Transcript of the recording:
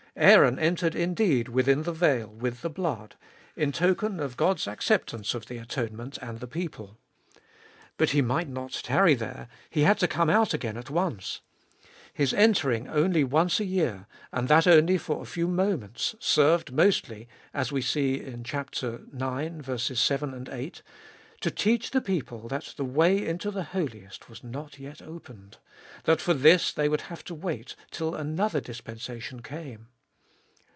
Aaron entered indeed within the veil with the blood, in token of God's acceptance of 236 Cbe Dolfest of ail the atonement and the people. But he might not tarry there ; he had to come out again at once. His entering only once a year, and that only for a few moments, served mostly, as we see in chap. ix. 7, 8, to teach the people that the way into the Holiest was not yet opened ; that for this they would have to wait till another dispensation came.